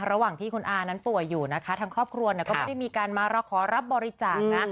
ระหว่างที่คุณอานั้นป่วยอยู่นะคะทางครอบครัวก็ไม่ได้มีการมาขอรับบริจาคนะ